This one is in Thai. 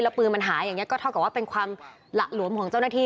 แล้วปืนมันหายอย่างนี้ก็เท่ากับว่าเป็นความหละหลวมของเจ้าหน้าที่